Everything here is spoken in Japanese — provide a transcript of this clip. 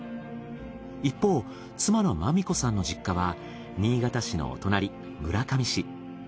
一方妻の麻美子さんの実家は新潟市のお隣村上市。